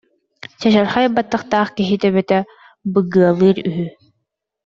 чачархай баттахтаах киһи төбөтө быгыалыыр үһү